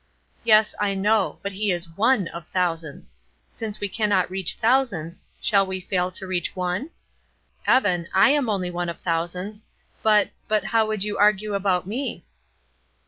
"Yes, I know; but he is one of thousands. Since we cannot reach thousands, shall we fail to reach one? Evan, I am only one of thousands, but, but how would you argue about me?"